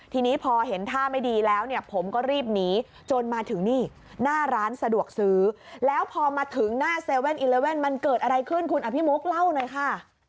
ทีนี้พอเห็นท่าไม่ดีแล้วเนี่ยผมก็รีบหนีจนมาถึงนี่หน้าร้านสะดวกซื้อแล้วพอมาถึงหน้า๗๑๑มันเกิดอะไรขึ้นคุณอภิมุกเล่าหน่อยค่ะ